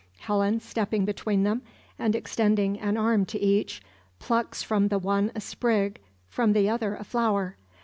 Helen, stepping between them, and extending an arm to each, plucks from the one a sprig, from the other a flower.